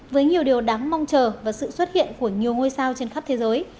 với nhiều điều đáng mong chờ và sự xuất hiện của nhiều ngôi sao trên khắp thế giới